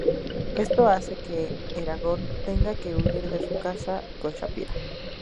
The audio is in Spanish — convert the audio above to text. Esto hace que Eragon tenga que huir de su casa con Saphira.